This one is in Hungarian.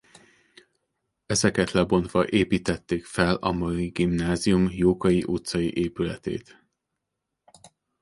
Ezeket lebontva építették fel a mai gimnázium Jókai utcai épületét.